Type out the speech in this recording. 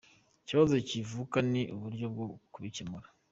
Ikibazo kivuka ni uburyo bwo kubikemura.